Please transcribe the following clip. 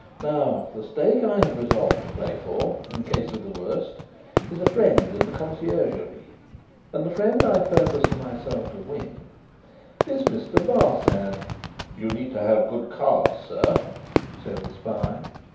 Now, the stake I have resolved to play for, in case of the worst, is a friend in the Conciergerie. And the friend I purpose to myself to win, is Mr. Barsad." "You need have good cards, sir," said the spy.